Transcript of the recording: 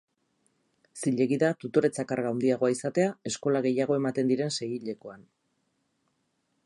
Zilegi da tutoretza-karga handiagoa izatea eskola gehiago ematen diren seihilekoan.